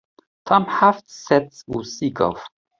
Tam heft sed û sî gav.